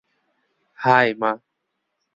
High, মা।